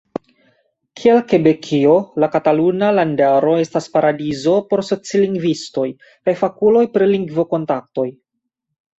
Kiel Kebekio, la Kataluna Landaro estas paradizo por socilingvistoj kaj fakuloj pri lingvo-kontaktoj.